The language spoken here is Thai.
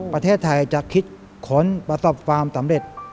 ประเทศไทยจะคิดค้นประสบความสำเร็จ